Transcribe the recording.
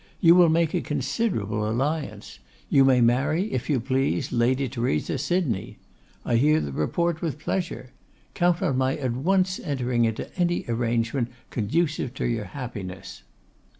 You will make a considerable alliance; you may marry, if you please, Lady Theresa Sydney. I hear the report with pleasure. Count on my at once entering into any arrangement conducive to your happiness.